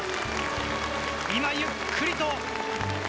今ゆっくりと。